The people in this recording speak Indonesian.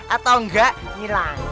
atau enggak hilang